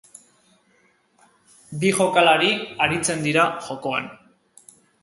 Bi jokalari aritzen dira jokoan.